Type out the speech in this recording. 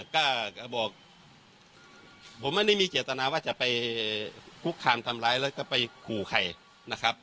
ก็บอกผมไม่ได้มีเจตนาว่าจะไปคุกคามทำร้ายแล้วก็ไปขู่ใครนะครับ